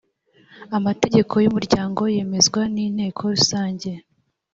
amategeko y umuryango yemezwa n inteko rusange